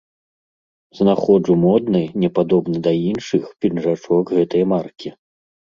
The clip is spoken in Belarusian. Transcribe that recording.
Знаходжу модны, не падобны да іншых пінжачок гэтай маркі.